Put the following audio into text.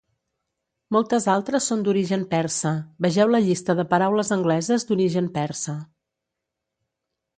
Moltes altres són d'origen persa; vegeu la Llista de paraules angleses d'origen persa.